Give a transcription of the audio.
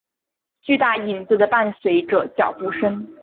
巨大影子的伴随着脚步声。